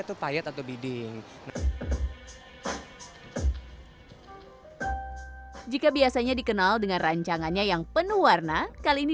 itu payat atau biding jika biasanya dikenal dengan rancangannya yang penuh warna kali ini